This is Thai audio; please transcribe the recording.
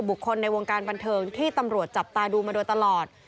คนในวงการบันเทิงที่ตำรวจจับตาดูมาโดยตลอด